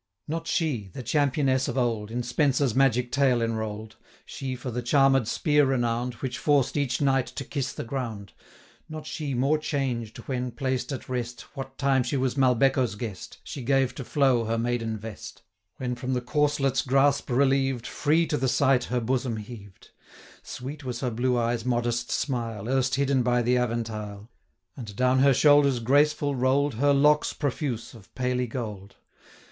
Not she, the Championess of old, In Spenser's magic tale enroll'd, She for the charmed spear renown'd, Which forced each knight to kiss the ground, Not she more changed, when, placed at rest, 66 What time she was Malbecco's guest, She gave to flow her maiden vest; When from the corselet's grasp relieved, Free to the sight her bosom heaved; 70 Sweet was her blue eye's modest smile, Erst hidden by the aventayle; And down her shoulders graceful roll'd Her locks profuse, of paly gold.